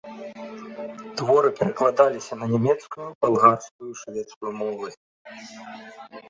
Творы перакладаліся на нямецкую, балгарскую і шведскую мовы.